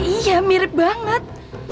iya mirip banget